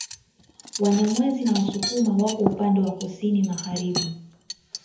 Wanyamwezi na Wasukuma wapo upande wa Kusini magharibi